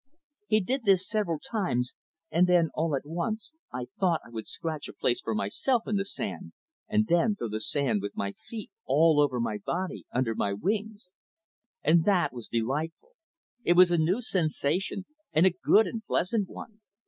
He did this several times, and then all at once I thought I would scratch a place for myself in the sand and then throw the sand with my feet all over my body under my wings. And that was delightful. It was a new sensation, and a good and pleasant one.